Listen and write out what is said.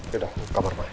yaudah ke kamar rumah ya